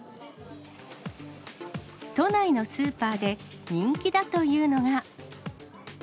都内のスーパーで、人気だというのが。